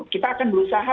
kita akan berusaha